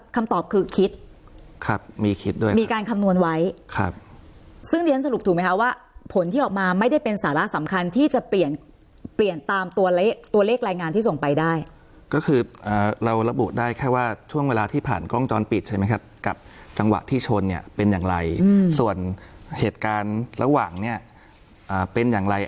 คำตอบคือคิดครับมีคิดด้วยมีการคำนวณไว้ครับซึ่งเรียนสรุปถูกไหมคะว่าผลที่ออกมาไม่ได้เป็นสาระสำคัญที่จะเปลี่ยนเปลี่ยนตามตัวเลขตัวเลขรายงานที่ส่งไปได้ก็คือเราระบุได้แค่ว่าช่วงเวลาที่ผ่านกล้องจรปิดใช่ไหมครับกับจังหวะที่ชนเนี่ยเป็นอย่างไรส่วนเหตุการณ์ระหว่างเนี้ยอ่าเป็นอย่างไร